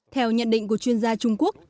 theo nhận định của chuyên gia trung quốc